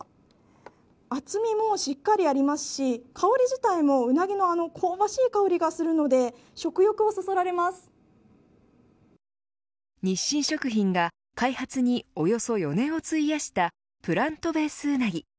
厚みもしっかりありますし香り自体もうなぎのあの香ばしい香りがするので日清食品が開発におよそ４年を費やしたプラントベースうなぎ。